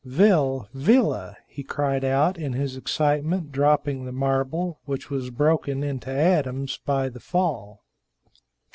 "Vil Villa!" he cried out, in his excitement dropping the marble, which was broken into atoms by the fall.